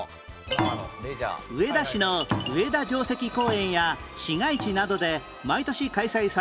上田市の上田城跡公園や市街地などで毎年開催される